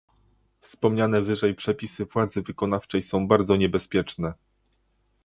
Wspomniane wyżej przepisy władzy wykonawczej są bardzo niebezpieczne